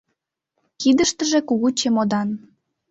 Кидыштыже кугу чемодан.